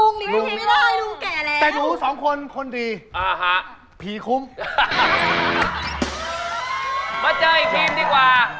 มาเจออีกทีมดีกว่า